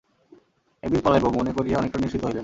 একদিন পলাইব– মনে করিয়া অনেকটা নিশ্চিন্ত হইলেন।